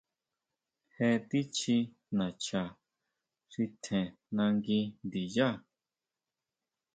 Je tichí nacha xi tjen nangui ndiyá.